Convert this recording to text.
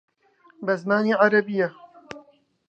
بە زمانی عەرەبییە